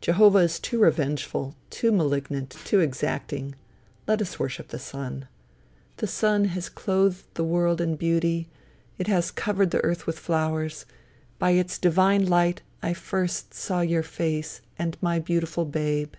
Jehovah is too revengeful, too malignant, too exacting. Let us worship the sun. The sun has clothed the world in beauty; it has covered the earth with flowers; by its divine light I first saw your face, and my beautiful babe."